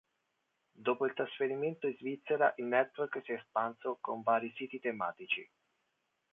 Dopo il trasferimento in Svizzera il network si è espanso con vari siti tematici.